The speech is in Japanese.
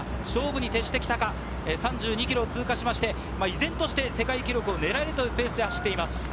勝負に徹してきたか、３２ｋｍを通過して、依然として世界記録を狙えるというペースで走っています。